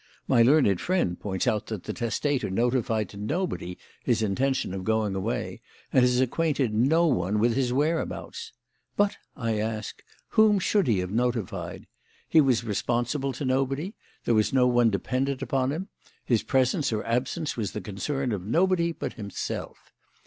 My learned friend points out that the testator notified to nobody his intention of going away and has acquainted no one with his whereabouts; but, I ask, whom should he have notified? He was responsible to nobody; there was no one dependent upon him; his presence or absence was the concern of nobody but himself.